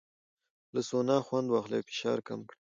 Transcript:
له سونا خوند واخلئ او فشار کم کړئ.